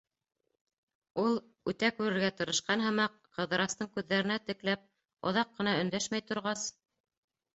Ул, үтә күрергә тырышҡан һымаҡ, Ҡыҙырастың күҙҙәренә текләп, оҙаҡ ҡына өндәшмәй торғас: